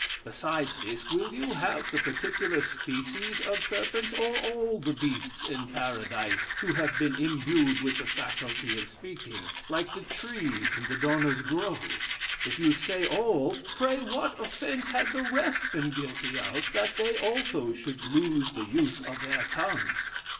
Besides this, will you have the particular species of serpents, or all the beasts in Paradise, to have been imbued with the faculty of speaking, like the trees in Dodona's grove? If you say all, pray what offence had the rest been guilty of, that they also should lose the use of their tongues?